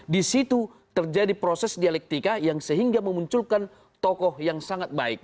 di situ terjadi proses dialektika yang sehingga memunculkan tokoh yang sangat baik